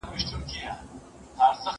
زه به سبا د کتابتوننۍ سره مرسته کوم!!